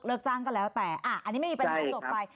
จ้างก็แล้วแต่อันนี้ไม่มีปัญหาจบไป